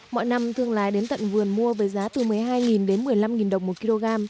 mọi năm thương lái đến tận vườn mua với giá từ một mươi hai đến một mươi năm đồng một kg